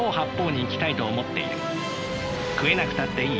食えなくたっていい。